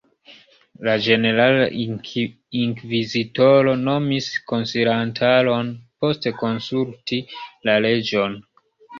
La Ĝenerala Inkvizitoro nomis konsilantaron post konsulti la reĝon.